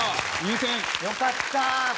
よかった！